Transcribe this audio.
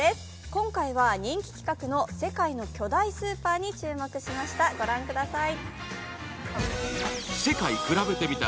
今回は人気企画の世界の巨大スーパーに注目しました、ご覧ください。